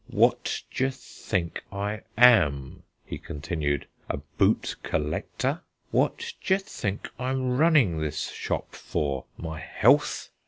"What d'ye think I am," he continued, "a boot collector? What d'ye think I'm running this shop for my health?